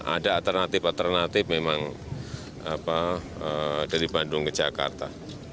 ada alternatif alternatif memang dari bandung ke jakarta